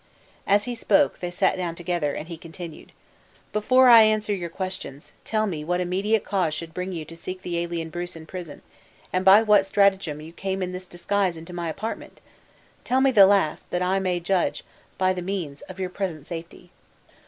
As he spoke, they sat down together, and he continued: "Before I answer your questions, tell me what immediate cause could bring you to seek the alien Bruce in prison, and by what stratagem you came in this disguise into my apartment? Tell me the last, that I may judge, by the means, of your present safety!"